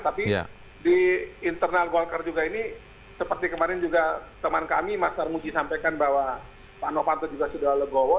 tapi di internal golkar juga ini seperti kemarin juga teman kami mas armuji sampaikan bahwa pak novanto juga sudah legowo